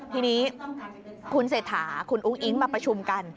ทีนี้คุณเศรษฐาคุณอุ้งอิ๊งมาประชุมกัน